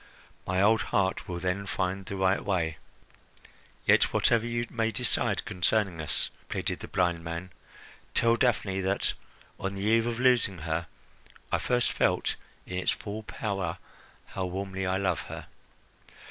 My old heart will then find the right way." "Yet whatever you may decide concerning us," pleaded the blind man, "tell Daphne that, on the eve of losing her, I first felt in its full power how warmly I love her.